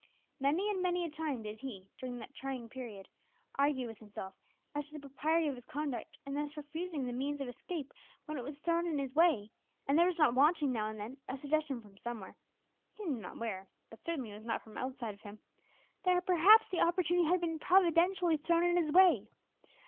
Many and many a time did he, during that trying period, argue with himself as to the propriety of his conduct in thus refusing the means of escape when it was thrown in his way, and there was not wanting, now and then, a suggestion from somewhere he knew not where, but certainly it was not from outside of him that perhaps the opportunity had been providentially thrown in his way.